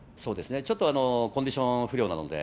ちょっとコンディション不良なので。